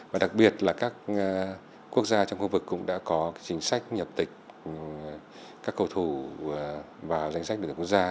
và đặc biệt là các quốc gia trong khu vực cũng đã có chính sách nhập tịch các cầu thủ vào danh sách đội tuyển quốc gia